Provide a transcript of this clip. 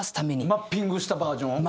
マッピングしたバージョンを？